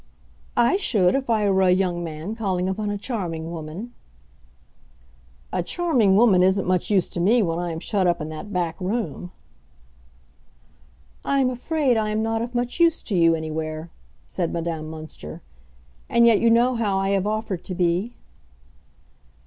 "I should, if I were a young man calling upon a charming woman." "A charming woman isn't much use to me when I am shut up in that back room!" "I am afraid I am not of much use to you anywhere!" said Madame Münster. "And yet you know how I have offered to be."